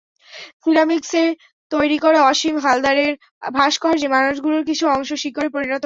সিরামিকসে তৈরি করা অসীম হালদারের ভাস্কর্যে মানুষগুলোর কিছু অংশ শিকড়ে পরিণত হয়েছে।